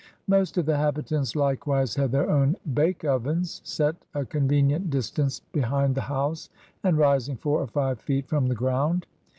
Most of the habitants likewise had their own bake ovens, set a convenient distance behind the house and rising foiur or five feet from the ground.